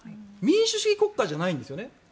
民主主義国家じゃないんですよね。